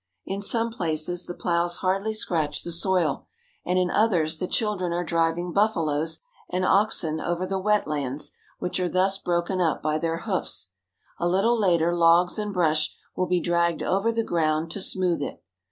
In some places the plows hardly scratch the soil, and in others the children are driving buffaloes and oxen over the wet lands which are thus broken up by their hoofs. A little later logs and brush will be dragged over the ground to smooth it.